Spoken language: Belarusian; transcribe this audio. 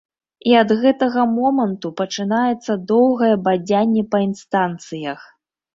І ад гэтага моманту пачынаецца доўгае бадзянне па інстанцыях.